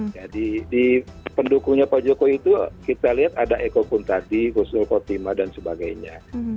jadi di pendukungnya pak jokowi itu kita lihat ada eko kuntadi kusul potima dan sebagainya